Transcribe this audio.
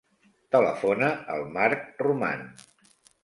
Telefona al Marc Roman.